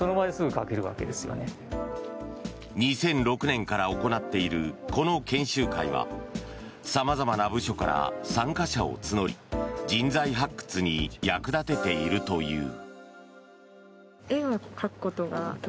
２００６年から行っているこの研修会は様々な部署から参加者を募り人材発掘に役立てているという。